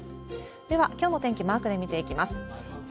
では、きょうの天気マークで見ていきます。